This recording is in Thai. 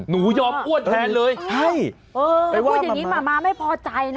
หนูยอมอ้วนแทนเลยใช่ไปว่ามาม่าถ้าพูดอย่างนี้มาม่าไม่พอใจนะ